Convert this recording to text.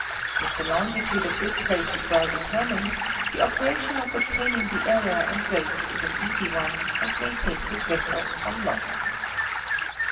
If the longitude of this place is well determined, the operation of obtaining the error and rate is an easy one, and may save his vessel from loss.